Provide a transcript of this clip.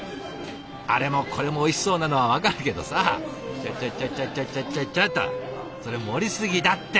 あれもこれもおいしそうなのは分かるけどさちょっちょっちょっちょっとそれ盛りすぎだって！